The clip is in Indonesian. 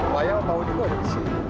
bayang mau juga gue disini